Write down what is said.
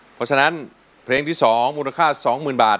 เพราะฉะนั้นเพลงที่สองมูลค่าสองหมื่นบาท